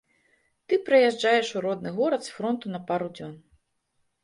Ты прыязджаеш у родны горад з фронту на пару дзён.